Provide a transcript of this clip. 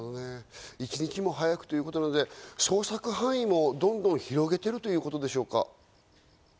一日も早くということなので、捜索範囲もどんどん広げているということでしょうか？